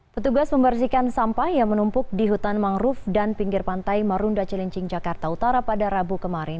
petugas membersihkan sampah yang menumpuk di hutan mangrove dan pinggir pantai marunda cilincing jakarta utara pada rabu kemarin